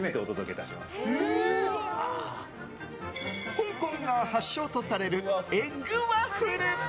香港が発祥とされるエッグワッフル。